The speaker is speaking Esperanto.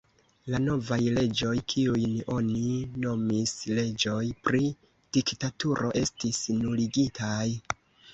La novaj leĝoj, kiujn oni nomis leĝoj pri diktaturo, estis nuligitaj.